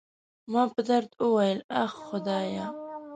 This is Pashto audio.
ما په درد وویل: اخ، خدایه.